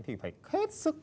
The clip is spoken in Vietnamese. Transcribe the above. thì phải hết sức